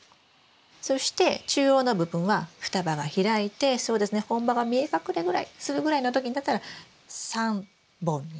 そして中央の部分は双葉が開いてそうですね本葉が見え隠れぐらいするぐらいの時になったら３本に。